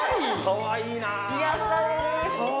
かわいい！